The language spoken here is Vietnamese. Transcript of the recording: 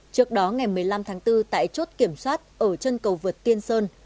trước đó ngày một mươi năm tháng bốn tại chốt kiểm soát ở chân cầu vượt tiên sơn